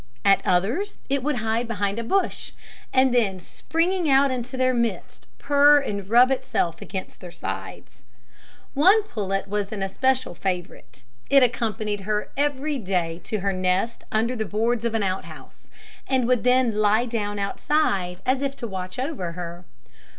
At others it would hide behind a bush, and then springing out into their midst, purr and rub itself against their sides. One pullet was its especial favourite; it accompanied her every day to her nest under the boards of an out house, and would then lie down outside, as if to watch over her.